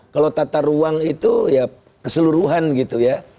kalau tata ruang itu ya keseluruhan gitu ya